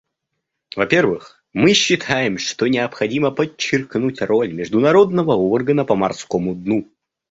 Во-первых, мы считаем, что необходимо подчеркнуть роль Международного органа по морскому дну.